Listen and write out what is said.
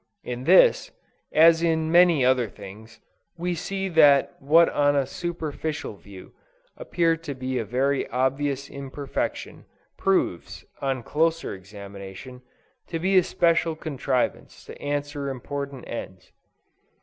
In this, as in many other things, we see that what on a superficial view, appeared to be a very obvious imperfection, proves, on closer examination, to be a special contrivance to answer important ends.